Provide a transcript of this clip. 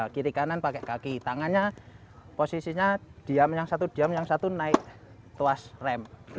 kiri kanan pakai kaki tangannya posisinya diam yang satu diam yang satu naik tuas rem